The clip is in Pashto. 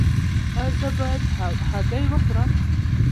ایا زه باید هګۍ وخورم؟